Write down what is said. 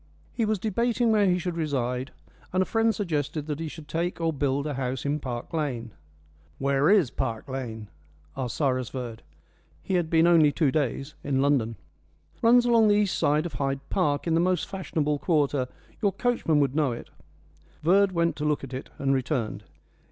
He was debating where he should reside, and a friend suggested that he should take or build a house in Park Lane. "Where is Park Lane?" asked Cyrus Verd. He had been only two days in London. "Runs along the east side of Hyde Park, in the most fashionable quarter. Your coachman would know it." Verd went to look at it, and returned.